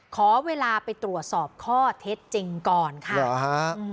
ขอเวลาไปตรวจสอบข้อเท็จจริงก่อนค่ะ